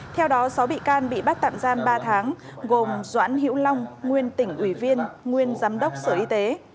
theo đó sáu bị can bị bắt tạm giam ba tháng gồm doãn hữu long nguyên tỉnh ủy viên nguyên giám đốc sở y tế